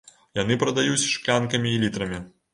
Яны прадаюць шклянкамі і літрамі.